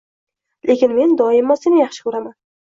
lekin men doimo seni yaxshi ko‘raman.